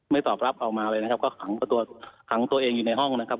ตอบรับออกมาเลยนะครับก็ขังตัวเองอยู่ในห้องนะครับ